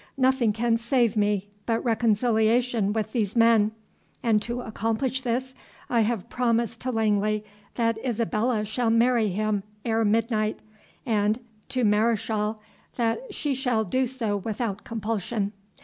Nothing can save me but reconciliation with these men; and, to accomplish this, I have promised to Langley that Isabella shall marry him ere midnight, and to Mareschal, that she shall do so without compulsion.